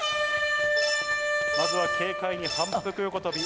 まずは軽快に反復横跳び。